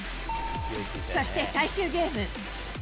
そして最終ゲーム。